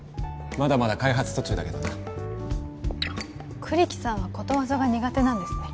まだまだ開発途中だけどな栗木さんはことわざが苦手なんですね